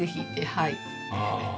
はい。